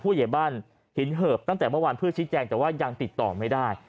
ผู้เย็บบ้านหินเหิบตั้งแต่เมื่อวานพฤศจิแจงแต่ว่ายังติดต่อไม่ได้